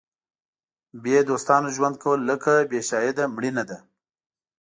بې دوستانو ژوند کول لکه بې شاهده مړینه ده.